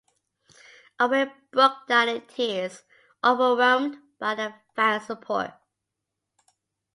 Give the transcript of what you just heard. Owen broke down in tears, overwhelmed by the fans' support.